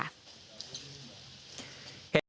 แห่งนี้ก็คิดว่าน่าจะมาจากตรงนั้นน่ะนะ